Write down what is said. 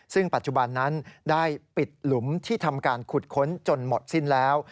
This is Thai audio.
ซึ่งปัจจุบันนั้นได้ปิดหลุมที่ทำการขุดค้นจนหมดสิ้นแล้ว